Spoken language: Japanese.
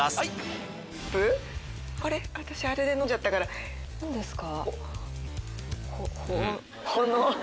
私あれで飲んじゃったから何ですか？